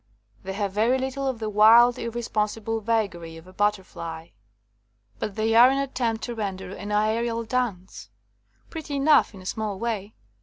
They have very little of the wild, irresponsible vagary of a butterfly. But they are an at tempt to render an aerial dance — pretty enough in a small way.